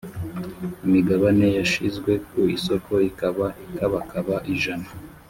imigabane yashyizwe ku isoko ikaba ikabakaba ijana